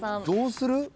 どうする？